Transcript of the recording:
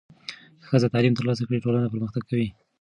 که ښځې تعلیم ترلاسه کړي، ټولنه پرمختګ کوي.